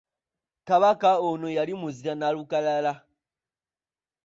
Kabaka ono yali muzira nnalukalala.